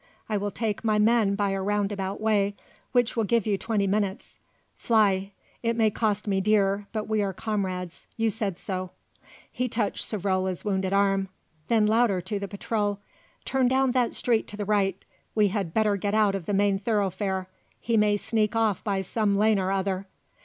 I will take my men by a roundabout way, which will give you twenty minutes. Fly; it may cost me dear, but we are comrades; you said so." He touched Savrola's wounded arm. Then louder to the patrol: "Turn down that street to the right: we had better get out of the main thoroughfare; he may sneak off by some lane or other."